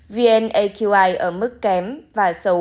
vnaqi ở mức kém và xấu